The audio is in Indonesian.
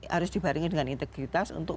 harus dibaringin dengan integritas untuk